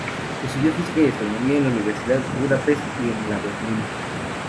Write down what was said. Estudió física y astronomía en la Universidad de Budapest y en la Berlín.